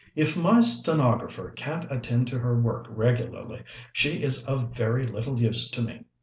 "If my stenographer can't attend to her work regularly, she is of very little use to me."